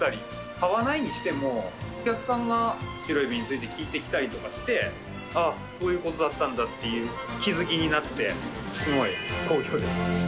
買わないにしてもお客さんが白えびについて聞いてきたりとかして「あっそういう事だったんだ」っていう気づきになって。